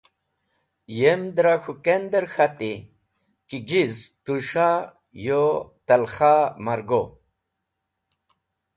Yem dra k̃hũ kender k̃hati ki giz tũsha u talkha ma’r go.